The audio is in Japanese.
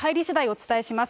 お伝えします。